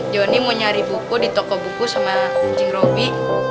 johnny mau nyari buku di toko buku sama kucing robby